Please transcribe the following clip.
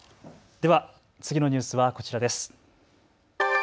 では次のニュースはこちらです。